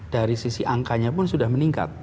dari sisi angkanya pun sudah meningkat